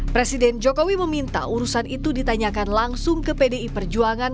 presiden jokowi meminta urusan itu ditanyakan langsung ke pdi perjuangan